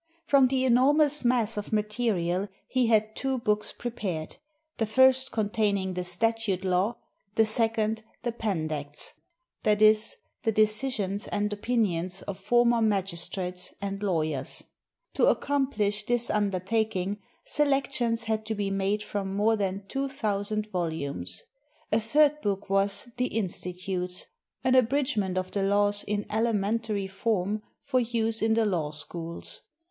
From the enormous mass of material he had two books prepared, the first containing the "Stat ute Law," the second, "The Pandects," that is, the decisions and opinions of former magistrates and lawyers. To accom pHsh this undertaking, selections had to be made from more than two thousand volumes. A third book was "The Insti tutes," an abridgment of the laws in elementary form for use in the law schools.